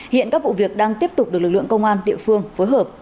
hiện các vụ việc đang tiếp tục được lực lượng công an địa phương phối hợp